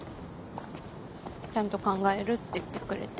ちゃんと考えるって言ってくれて。